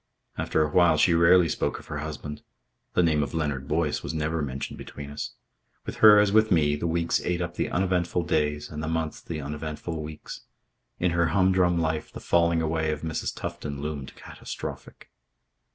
After a while she rarely spoke of her husband. The name of Leonard Boyce was never mentioned between us. With her as with me, the weeks ate up the uneventful days and the months the uneventful weeks. In her humdrum life the falling away of Mrs. Tufton loomed catastrophic.